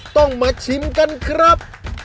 ต้องมาชิมกันครับ